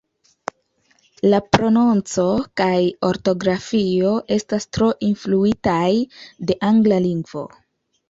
La prononco kaj ortografio estas tro influitaj de angla lingvo.